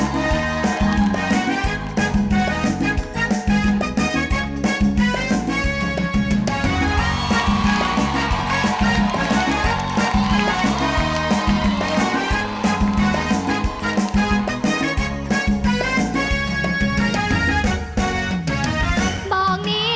บอกนี้เจ้าน่ะคงไม่